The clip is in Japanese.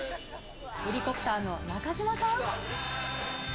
ヘリコプターの中島さん。